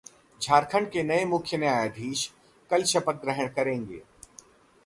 झारखंड के नये मुख्य न्यायाधीश कल शपथ ग्रहण करेंगे